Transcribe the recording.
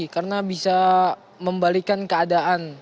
karena bisa membalikan keadaan